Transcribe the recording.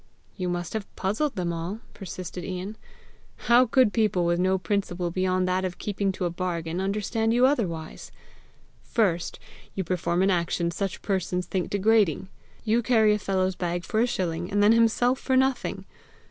"You must have puzzled them all!" persisted Ian. "How could people with no principle beyond that of keeping to a bargain, understand you otherwise! First, you perform an action such persons think degrading: you carry a fellow's bag for a shilling, and then himself for nothing!